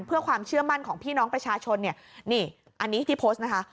เพื่อความเชื่อมั่นของพี่น้องประชาชนเนี่ยนี่อันนี้ที่โพสต์นะคะ